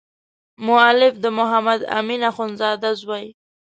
مؤلف د محمد امین اخندزاده زوی.